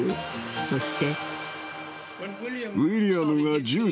そして。